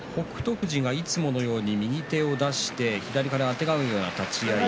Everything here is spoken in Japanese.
富士が、いつものように右手を出して左からあてがうような立ち合い